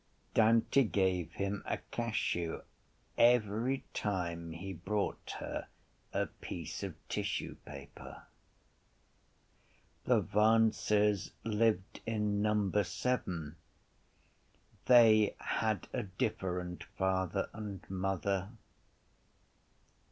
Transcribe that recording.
Dante gave him a cachou every time he brought her a piece of tissue paper. The Vances lived in number seven. They had a different father and mother.